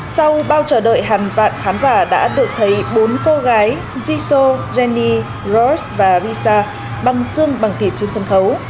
sau bao chờ đợi hàng vạn khán giả đã được thấy bốn cô gái jisoo jennie rose và risa băng xương bằng thịt trên sân khấu